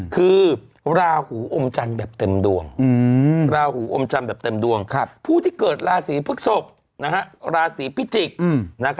คือราหูอมจันทร์แบบเต็มดวงราหูอมจันทร์แบบเต็มดวงผู้ที่เกิดราศีพฤกษกราศีพิจิกษ์